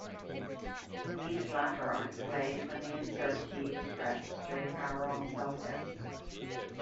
These latter are displayed when the Insert key is pressed during power-on self-test.